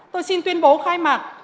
tôi xin tuyên bố khai mạc